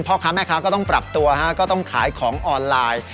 พ่อค้าแม่ค้าก็ต้องปรับตัวก็ต้องขายของออนไลน์